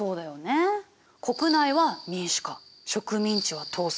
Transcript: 国内は民主化植民地は統制。